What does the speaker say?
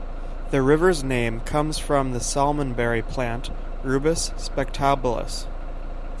The river's name comes from the salmonberry plant, "Rubus spectabilis".